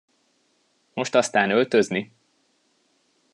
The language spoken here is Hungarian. Most aztán öltözni!